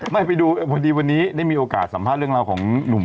ไม่ไปดูพอดีวันนี้ได้มีโอกาสสัมภาษณ์เรื่องราวของหนุ่ม